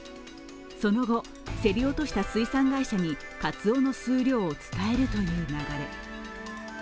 その後、競り落とした水産会社にカツオの数量を伝えるという流れ。